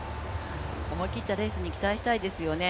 思い切ったレースに期待したいですよね。